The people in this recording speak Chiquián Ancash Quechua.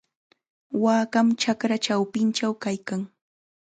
Waakam chakra chawpinchaw kaykan.